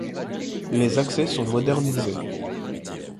Les accès sont modernisés.